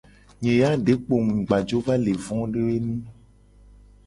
Nye ya de kpo mu gba jo va le vo do enu.